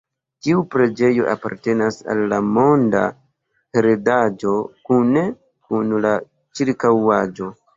Tiu preĝejo apartenas al la Monda Heredaĵo kune kun la ĉirkaŭaĵo.